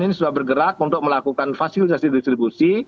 ini sudah bergerak untuk melakukan fasilitasi distribusi